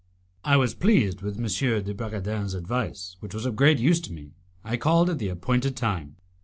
I was pleased with M. de Bragadin's advice, which was of great use to me. I called at the appointed time.